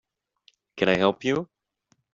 Can I help you?